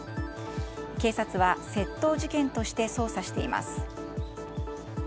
警察は、窃盗事件として捜査しています。